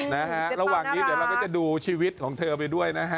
นะฮะระหว่างนี้เดี๋ยวเราก็จะดูชีวิตของเธอไปด้วยนะฮะ